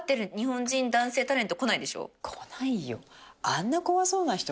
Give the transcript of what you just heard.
来ないよ。